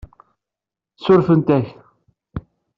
Ssurfent-ak.